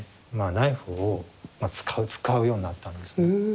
ナイフを使うようになったんです。